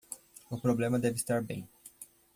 O problema deve estar bem